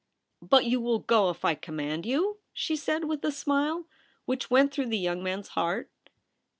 ' But you wull go if I command you ?' she said, with a smile which went through the young man's heart.